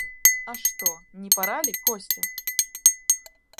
А что, не пора ли, Костя?